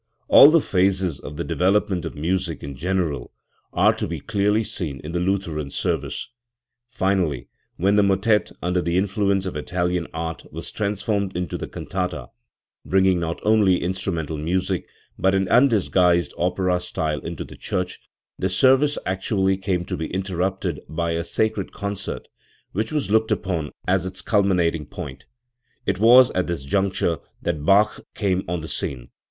All the phases of the development of music in general are to be clearly seen in the Lutheran service. Finally, when the motet, under the influence of Italian art, was transformed into the cantata, bringing not only instrumental music but an undisguised opera style into the church, the service actually came to be interrupted by a sacred concert, which was looked upon as its culminating point, It was at this juncture that Bach came on the scene.